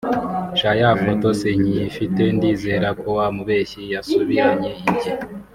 sha ya foto sinkiyifite ndizera ko wa mubeshyi yasubiranye ibye